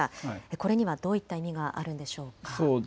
これには、どういった意味があるんでしょうか。